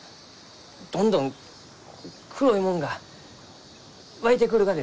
どんどん黒いもんが湧いてくるがです。